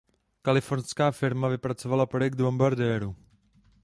Kalifornská firma vypracovala projekt bombardéru.